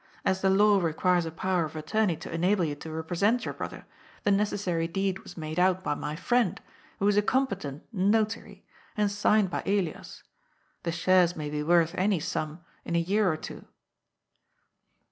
As the law requires a power of attorney to enable you to represent your brother, the necessary deed was made THE POWER OF ATTORNEY. 319 out by my friend, who is a competent Notary, and signed by Elias. The shares may be worth any sum in a year or two."